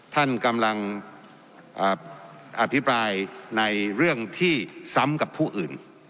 ท่านกำลังอภิปรายในเรื่องที่ซ้ำกับผู้อื่น